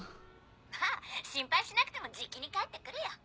まぁ心配しなくてもじきに帰って来るよ。